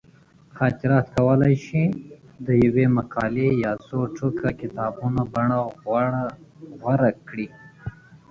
خاطرات کولی شي د یوې مقالې یا څو ټوکه کتابونو بڼه غوره کړي.